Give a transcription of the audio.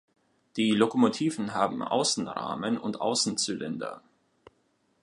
Die Lokomotiven haben Außenrahmen und Außenzylinder.